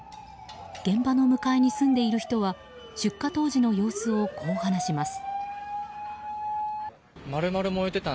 現場の向かいに住んでいる人は出火当時の様子をこう話します。